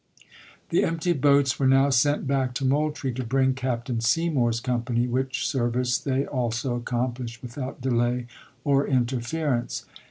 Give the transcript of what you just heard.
The empty boats were now sent back to Moul trie to bring Captain Seymour's company, which service they also accomplished without delay or interference.